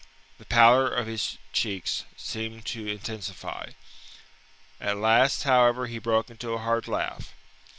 The pallor of his cheeks seemed to intensify. At last, however, he broke into a hard laugh.